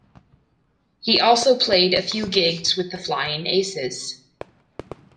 He also played a few gigs with the Flying Aces.